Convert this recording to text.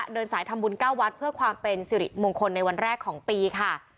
เดินสายทำบุญ๙วัดเพื่อความเป็นสิริมงคลในวันแรกของปีค่ะ